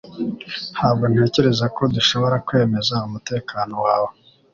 Ntabwo ntekereza ko dushobora kwemeza umutekano wawe